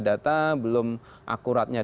data belum akuratnya